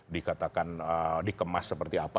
dikatakan dikemas seperti apa